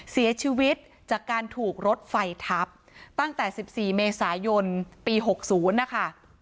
เสียชีวิตจากการถูกรดไฟทับตั้งแต่สิบสี่เมษายนปีหกศูนย์นะคะ